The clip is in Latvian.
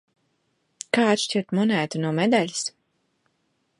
Kā atšķirt monētu no medaļas?